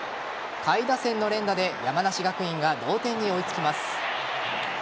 下位打線の連打で山梨学院が同点に追いつきます。